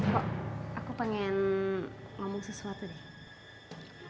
kok aku pengen ngomong sesuatu deh